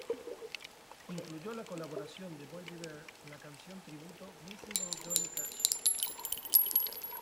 Incluyó la colaboración de Bobby Bare en la canción tributo "Missing Ol' Johnny Cash".